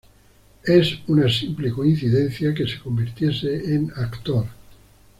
Es una simple coincidencia que se convirtiese en actor.